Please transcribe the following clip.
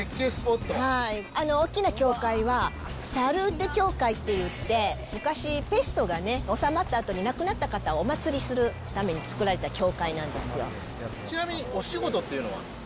あの大きな教会はサルーテ教会っていって、昔、ペストがおさまったあとに、亡くなった方をお祭りするために作らちなみにお仕事っていうのは？